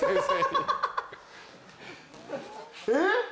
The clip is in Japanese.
えっ？